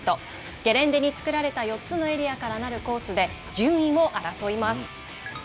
ゲレンデに作られた４つのエリアからなるコースで順位を争います。